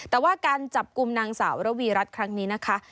แต่ว่าการจับกลุ่มนางสาวระวีรัฐครั้งนี้นะคะ